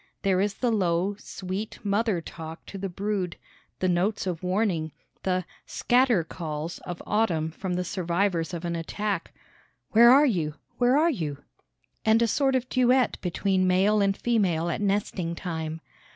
There is the low, sweet mother talk to the brood, the notes of warning, the "scatter calls" of autumn from the survivors of an attack, "Where are you? Where are you?" and a sort of duet between male and female at nesting time.